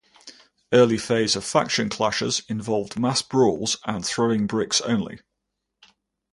Early phase of faction clashes involved mass brawls and throwing bricks only.